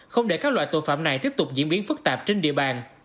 không để các loại tội phạm này tiếp tục diễn biến phức tạp trên địa bàn